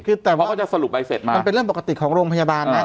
คือแต่พอเขาจะสรุปใบเสร็จมามันเป็นเรื่องปกติของโรงพยาบาลนะ